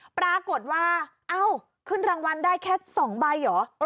ปรากฏว่าเอ้าขึ้นรางวัลได้แค่๒ใบเหรอ